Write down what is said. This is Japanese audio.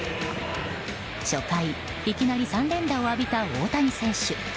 初回、いきなり３連打を浴びた大谷選手。